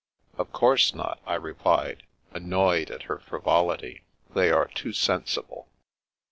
" Of course not," I replied, annoyed at her fri volity. " They are too sensible."